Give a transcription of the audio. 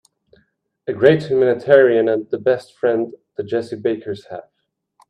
A great humanitarian and the best friend the Jessie Bakers have.